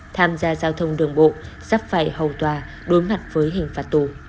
tham gia giao thông đường bộ sắp phải hầu tòa đối mặt với hình phạm